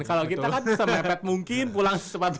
kalau kita kan semepet mungkin pulang sesempat mungkin